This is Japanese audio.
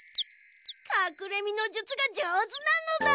かくれみのじゅつがじょうずなのだ。